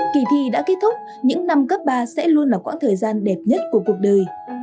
kỳ thi đã kết thúc những năm cấp ba sẽ luôn là quãng thời gian đẹp nhất của cuộc đời